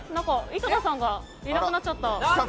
井戸田さんがいなくなっちゃった。